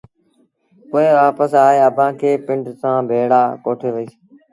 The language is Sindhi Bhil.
پوء وآپس آئي اڀآنٚ کي پنڊ سآݩٚ ڀيڙآ ڪوٺي وهيٚس